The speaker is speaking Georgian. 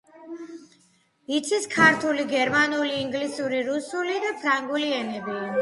იცის ქართული, გერმანული, ინგლისური, რუსული და ფრანგული ენები.